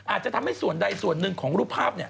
อาจจะทำให้ส่วนใดส่วนหนึ่งของรูปภาพ